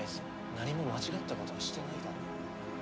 何も間違ったことはしてないだろ。